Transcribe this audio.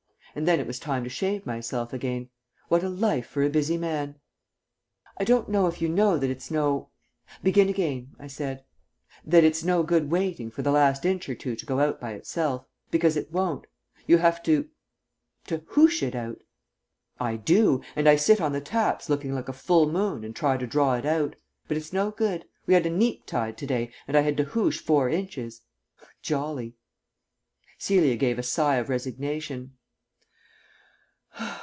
And then it was time to shave myself again. What a life for a busy man!" "I don't know if you know that it's no " "Begin again," I said. " that it's no good waiting for the last inch or two to go out by itself. Because it won't. You have to to hoosh it out." "I do. And I sit on the taps looking like a full moon and try to draw it out. But it's no good. We had a neap tide to day and I had to hoosh four inches. Jolly." Celia gave a sigh of resignation.